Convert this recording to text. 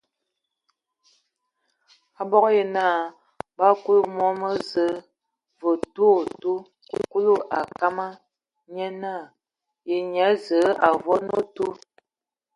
Abog yǝ naa bə akuli mom mə Zəə vǝ otu otu Kulu a kama, nye naa: Za akyaɛ, dzam adi! Ye nyia Zǝə a avoŋan otu?